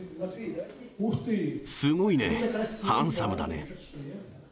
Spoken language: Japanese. すごいね、ハンサムだね。